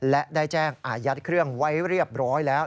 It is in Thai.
และได้แจ้งอายัดเครื่องไว้เรียบร้อยแล้ว